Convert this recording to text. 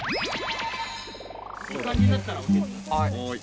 はい。